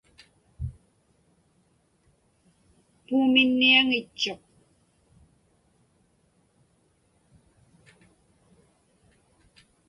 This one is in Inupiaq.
Puumiŋniaŋitchuq.